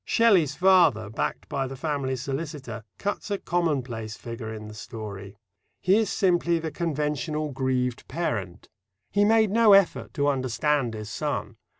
Shelley's father, backed by the family solicitor, cuts a commonplace figure in the story. He is simply the conventional grieved parent. He made no effort to understand his son.